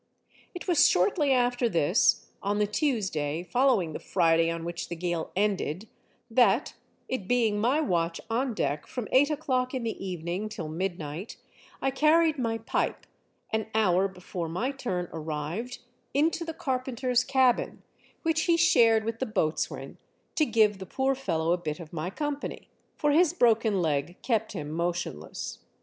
It was shortly after this, on the Tuesday following the Friday on which the gale ended, that, it being my watch on deck from eight o'clock in the evening till midnight, I carried my pipe, an hour before my turn arrived, into the carpenter's cabin, which he shared with the boatswain, to give the poor fellow a bit of my company, for his broken leg kept him motionless.